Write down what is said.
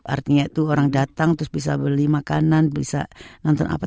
artinya itu orang datang terus bisa beli makanan bisa nonton apa